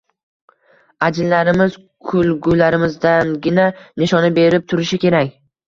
Ajinlarimiz kulgularimizdangina nishona berib turishi kerak.